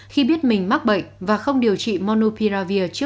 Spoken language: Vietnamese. khi biết mình mắc bệnh và không điều trị monopiravir trước